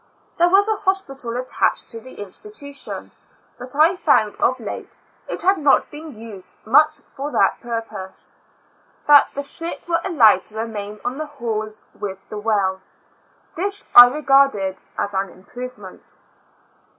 There was a hospital attached to the institution, but I found, of late, it had not .been used much for that purpose; that the sick were allowed to remain on the halls with the well. This I regarded an improvement.